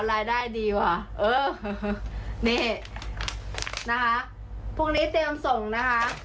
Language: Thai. รายได้ดีกว่าเออนี่นะคะพรุ่งนี้เตรียมส่งนะคะ